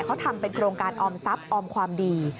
เขาทำเป็นโครงการออมทรัพย์ออมความดี